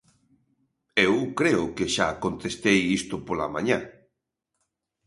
Eu creo que xa contestei isto pola mañá.